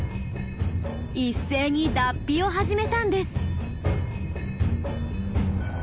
一斉に脱皮を始めたんです。